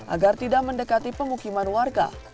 agar tidak mendekati pemukiman warga